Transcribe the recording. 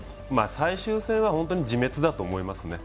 最終戦は本当に自滅だと思いますね。